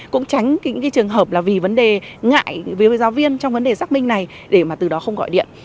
cũng tránh những trường hợp là vì vấn đề ngại với giáo viên trong vấn đề xác minh này để mà từ đó không gọi điện